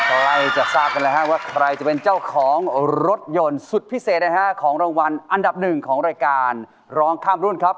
ก็ไล่จะทราบกันแล้วว่าใครจะเป็นเจ้าของรถยนต์สุดพิเศษนะฮะของรางวัลอันดับหนึ่งของรายการร้องข้ามรุ่นครับ